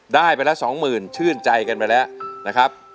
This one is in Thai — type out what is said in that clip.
ได้ไปละสองหมื่นชื่นใจกันไปแล้วนะครับ